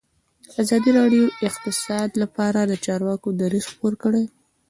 ازادي راډیو د اقتصاد لپاره د چارواکو دریځ خپور کړی.